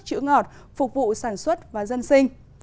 chữa ngọt phục vụ sản xuất và dân sinh